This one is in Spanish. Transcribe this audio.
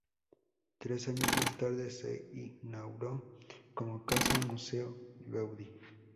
Tres años más tarde, se inauguró como Casa-Museo Gaudí.